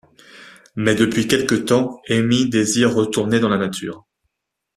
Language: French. Mais depuis quelque temps, Amy désire retourner dans la Nature.